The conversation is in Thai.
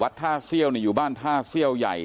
วัดท่าเสียวไหนอยู่บ้านท่าเสียวใหญ่